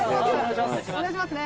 「お願いします。